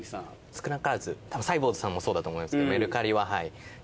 少なからずたぶんサイボウズさんもそうだと思いますけどメルカリは。